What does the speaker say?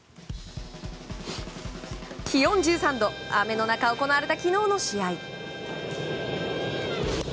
気温１３度雨の中、行われた昨日の試合。